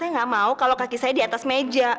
saya nggak mau kalau kaki saya di atas meja